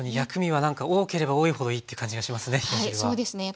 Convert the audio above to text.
はいそうですね。